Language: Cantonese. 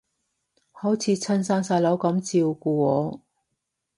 好似親生細佬噉照顧我